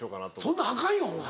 そんなんアカンよお前。